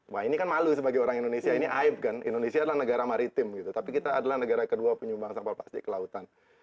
wah ini kan malu sebagai orang indonesia ini aib kan indonesia adalah negara maritim gitu tapi kita adalah negara kedua penyumbang sampah plastik ke lautan